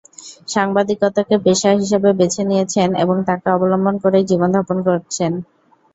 সাংবাদিকতাকে পেশা হিসেবে বেছে নিয়েছেন এবং তাকে অবলম্বন করেই জীবনধারণ করছেন।